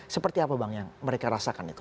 seperti apa bang yang mereka rasakan itu